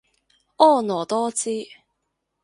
婀娜多姿